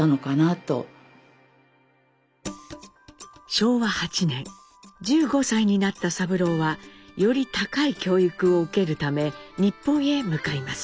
昭和８年１５歳になった三郎はより高い教育を受けるため日本へ向かいます。